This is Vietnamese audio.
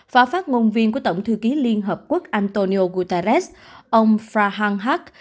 phó phát ngôn viên của tổng thư ký liên hợp quốc antonio guterres ông frahan haque